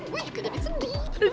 gue juga tadi sedih